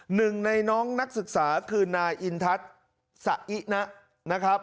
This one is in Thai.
หนึ่งในน้องนักศึกษาคือนายอินทัศน์สะอินะนะครับ